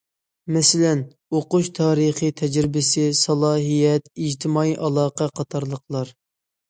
مەسىلەن: ئوقۇش تارىخى، تەجرىبىسى، سالاھىيەت، ئىجتىمائىي ئالاقە قاتارلىقلار.